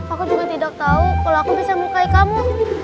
aku juga tidak tahu kalau aku bisa melukai kamu